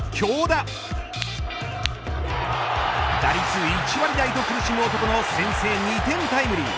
打率１割台と苦しむ男の先制２点タイムリー。